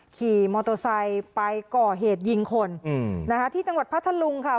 ขี่มอเตอร์ไซค์ไปก่อเหตุยิงคนอืมนะคะที่จังหวัดพัทธลุงค่ะ